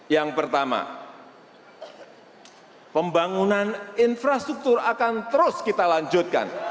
yang pertama pembangunan infrastruktur akan terus kita lanjutkan